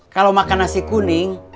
kalau makan nasi kuning